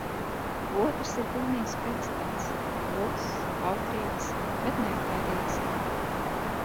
Otrs ir pilnīgs pretstats - kluss, kautrīgs, bet neatlaidīgs.